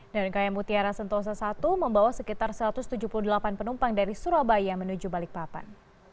dan km mutiara sentosa i membawa sekitar satu ratus tujuh puluh delapan penumpang dari surabaya menuju balikpapan